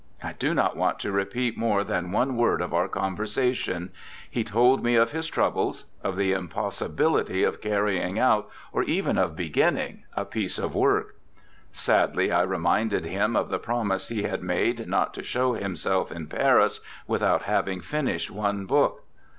I do not want to repeat more than one word of our conversation. He told me of his troubles, of the impossibility of carrying out, or even of beginning, a piece of work. Sadly I reminded him of the promise he had made not to show himself in Paris without having finished one book.